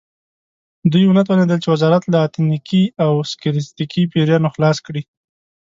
دوی ونه توانېدل چې وزارت له اتنیکي او سکتریستي پیریانو خلاص کړي.